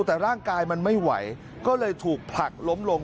แต่ร่างกายมันไม่ไหวก็เลยถูกผลักล้มลง